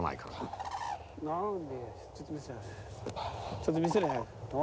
ちょっと見せれ早く。